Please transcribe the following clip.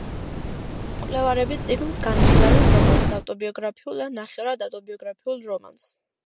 მკვლევარები წიგნს განიხილავენ როგორც ავტობიოგრაფიულ ან ნახევრად ავტობიოგრაფიულ რომანს.